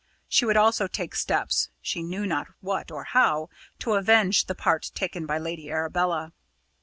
She would also take steps she knew not what or how to avenge the part taken by Lady Arabella.